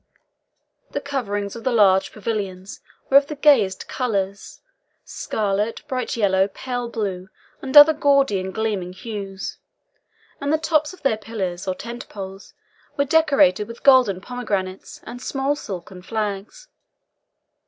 The coverings of the large pavilions were of the gayest colours scarlet, bright yellow, pale blue, and other gaudy and gleaming hues and the tops of their pillars, or tent poles, were decorated with golden pomegranates and small silken flags.